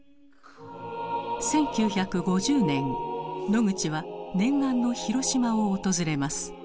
１９５０年ノグチは念願の広島を訪れます。